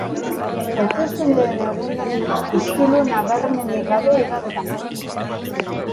Hauteskundeen eguna istilu nabarmenik gabe igaro da.